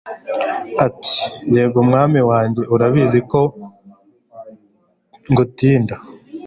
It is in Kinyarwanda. ati: "Yego Mwami wanjye urabizi ko nguktlnda."